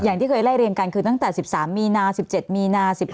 อย่างที่เคยไล่เรียงกันคือตั้งแต่๑๓มีนา๑๗มีนา๑๕